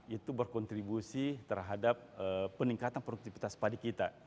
itu berkontribusi terhadap peningkatan produktivitas padi kita